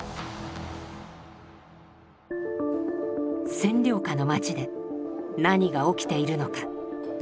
占領下の街で何が起きているのか？